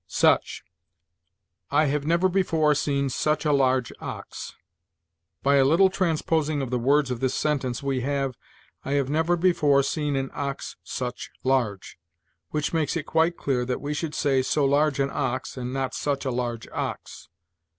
SUCH. "I have never before seen such a large ox." By a little transposing of the words of this sentence, we have, "I have never before seen an ox such large," which makes it quite clear that we should say so large an ox and not such a large ox.